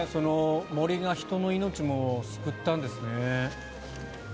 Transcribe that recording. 杜が人の命も救ったんですね。